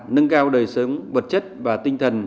nâng cao đời sống vật chất và tinh thần